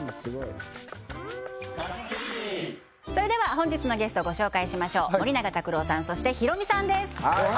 本日のゲストご紹介しましょう森永卓郎さんそしてヒロミさんです